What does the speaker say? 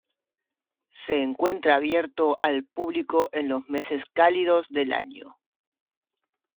Se encuentra abierto al público en los meses cálidos del año.